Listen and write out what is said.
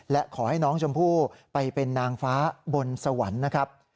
และขอให้น้องชมพู่ไปเป็นนางฟ้าบนสวรรค์นะครับ